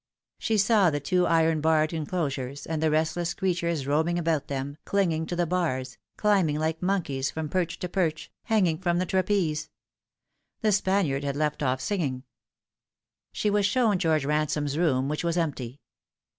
She saw the two iron barred enclosures, and the restless creatures roaming about them, clinging to the bars, climbing like monkeys from perch to perch, hanging from the trapeze. The Spaniard had left off singing. She was shown George Ransome's room, which was empty.